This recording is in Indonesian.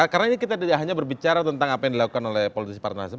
karena ini kita hanya berbicara tentang apa yang dilakukan oleh politisi paranasem